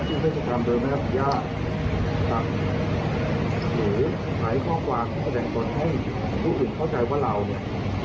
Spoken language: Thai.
หรือหลายข้อความที่แสดงตนให้ผู้อื่นเข้าใจว่าเราเนี้ย